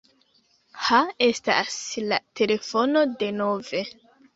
Ha estas la telefono denove.